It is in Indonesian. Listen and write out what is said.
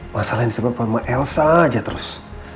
masalah yang disebabkan sama elsa aja terus